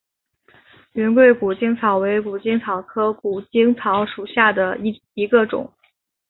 云贵谷精草为谷精草科谷精草属下的一个种。